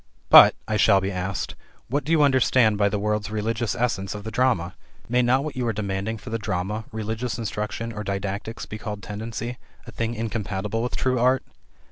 "But," I shall be asked, "what do you understand by the word's religious essence of the drama? May not what you are demanding for the drama, religious instruction, or didactics, be called 'tendency,' a thing incompatible with true art?"